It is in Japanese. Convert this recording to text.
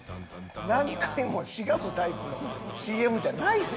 何回もしがむタイプのＣＭじゃないで。